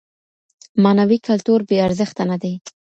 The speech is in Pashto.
معنوي کلتور بې ارزښته نه دی.